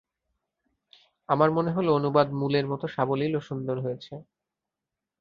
আমার মনে হলো অনুবাদ মূলের মত সাবলীল ও সুন্দর হয়েছে।